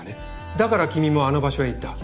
だから君もあの場所へ行った。